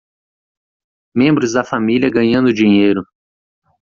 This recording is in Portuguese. Membros da família ganhando dinheiro